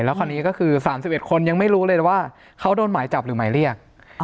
แล้วคราวนี้ก็คือ๓๑คนยังไม่รู้เลยว่าเขาโดนหมายจับหรือหมายเรียก